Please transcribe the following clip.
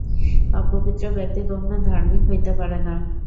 অপবিত্র ব্যক্তি কখনও ধার্মিক হইতে পারে না।